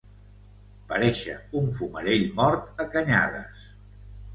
Parèixer un fumarell mort a canyades.